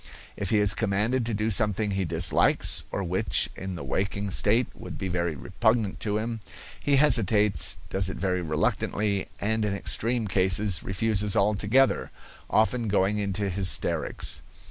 If he is commanded to do something he dislikes or which in the waking state would be very repugnant to him, he hesitates, does it very reluctantly, and in extreme cases refuses altogether, often going into hysterics.